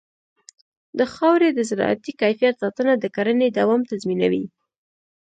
د خاورې د زراعتي کیفیت ساتنه د کرنې دوام تضمینوي.